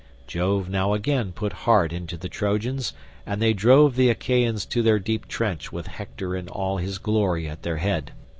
Jove now again put heart into the Trojans, and they drove the Achaeans to their deep trench with Hector in all his glory at their head.